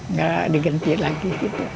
nggak diganti lagi gitu